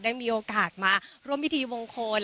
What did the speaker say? ได้มีโอกาสมาร่วมพิธีมงคล